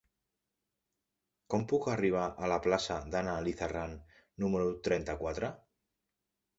Com puc arribar a la plaça d'Anna Lizaran número trenta-quatre?